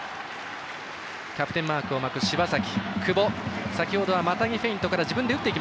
キャプテンマークを巻く柴崎。